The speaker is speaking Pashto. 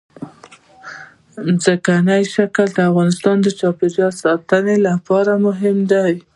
ځمکنی شکل د افغانستان د چاپیریال ساتنې لپاره مهم دي.